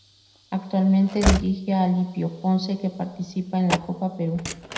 Actualmente dirige a Alipio Ponce que participa en la Copa Perú.